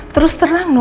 terus terang no